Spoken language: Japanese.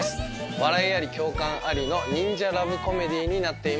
笑いあり共感ありの忍者ラブコメディーになっています。